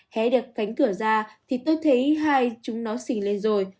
hé được cánh cửa ra thì tôi thấy hai chúng nó xình lên rồi